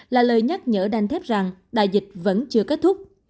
là lời nhắc nhở đanh thép rằng đại dịch vẫn chưa kết thúc